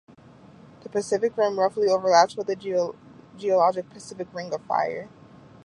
The Pacific Rim roughly overlaps with the geologic Pacific Ring of Fire.